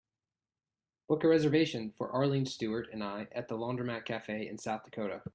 Book a reservation for arlene stewart and I at The Laundromat Cafe in South Dakota